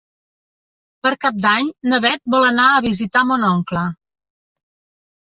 Per Cap d'Any na Beth vol anar a visitar mon oncle.